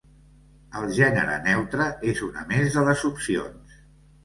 El gènere neutre és una més de les opcions.